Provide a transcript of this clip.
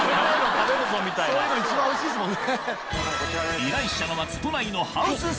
そういうの一番おいしいですもんね。